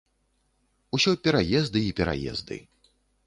Усё пераезды і пераезды.